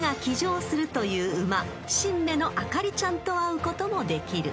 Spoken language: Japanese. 神馬のあかりちゃんと会うこともできる］